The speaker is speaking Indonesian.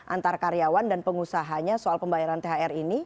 antar karyawan dan pengusahanya soal pembayaran thr ini